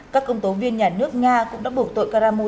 các công tố viên nhà nước nga cũng đã buộc tội caramo